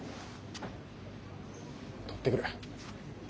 取ってくる。